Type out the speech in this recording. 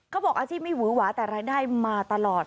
บอกอาชีพไม่หวือหวาแต่รายได้มาตลอด